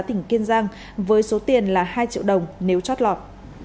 tỉnh kiên giang với số tiền là hai triệu đồng nếu chót lọt